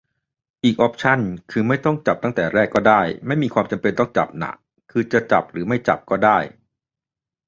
มีอีกออปชัน คือไม่ต้องจับแต่แรกก็ได้ ไม่มีความจำเป็นต้องจับน่ะ คือจะจับหรือไม่จับก็ได้